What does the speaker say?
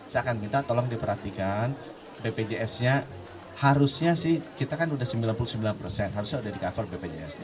saya akan minta tolong diperhatikan bpjs nya harusnya sih kita kan udah sembilan puluh sembilan persen harusnya sudah di cover bpjs